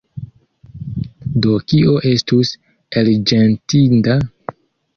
Do kio estus elĵetinda?